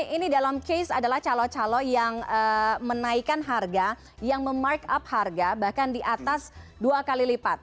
ini dalam case adalah calo calo yang menaikkan harga yang memark up harga bahkan di atas dua kali lipat